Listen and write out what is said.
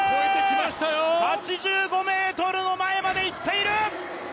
８５ｍの前までいっている！